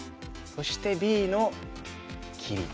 そしてＢの切り。